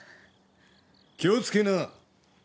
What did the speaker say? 気をつけな！